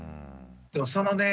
でもそのね